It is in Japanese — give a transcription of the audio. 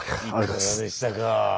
いかがでしたか。